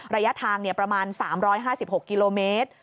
ระยะทางประมาณ๓๕๖กิโลเมตร